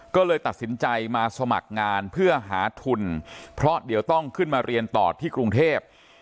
ก็เลยตัดสินใจมาสมัครงานเพื่อหาทุนเพราะเดี๋ยวต้องขึ้นมาเรียนต่อที่กรุงเทพ